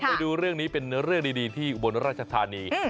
ไปดูเรื่องนี้เป็นเรื่องดีที่อุบลราชธานี